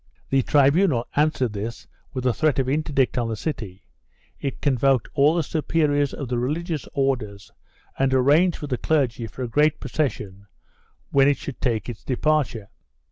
The tribunal answered this with a threat of interdict on the city; it convoked all the superiors of the religious Orders and arranged with the clergy for a great procession when it should take .its departure.